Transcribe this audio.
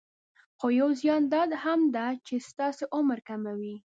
خو يو زيان يي دا هم ده چې ستاسې عمر کموي.